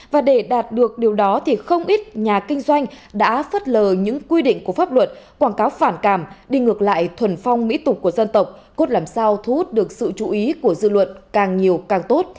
và để đạt được điều đó thì không ít nhà kinh doanh đã phất lờ những quy định của pháp luật quảng cáo phản cảm đi ngược lại thuần phong mỹ tục của dân tộc cốt làm sao thu hút được sự chú ý của dư luận càng nhiều càng tốt